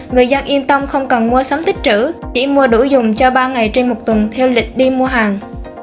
người dân yên tâm không cần mua sắm tích trữ chỉ mua đủ dùng cho ba ngày trên một tuần theo lịch đi mua hàng